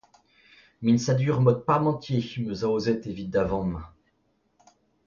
Miñsadur mod Parmentier 'm eus aozet evit da vamm.